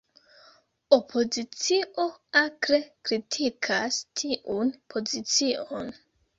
Opozicio akre kritikas tiun pozicion.